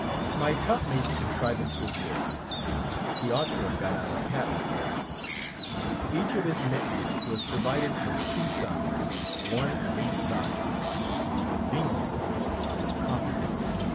My top mate's contrivance was this—he ought to have got out a patent for it—each of his mittens was provided with two thumbs, one on each side; the convenience of which needs no comment.